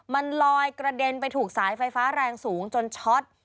มันลอยกระเด็นไปถูกสายไฟฟ้าแรงสูงจนช็อต